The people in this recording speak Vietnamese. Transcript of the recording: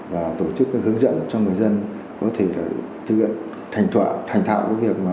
và tổ chức cái hướng dẫn cho người dân có thể là thực hiện thành thọa thành thạo của việc mà